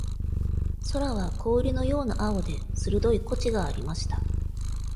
空は氷のような青で、鋭い東風がありました